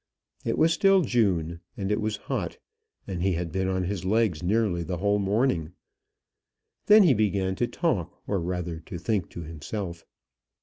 It was still June, and it was hot, and he had been on his legs nearly the whole morning. Then he began to talk, or rather to think to himself.